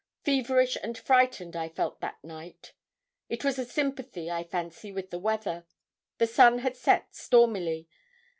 Feverish and frightened I felt that night. It was a sympathy, I fancy, with the weather. The sun had set stormily.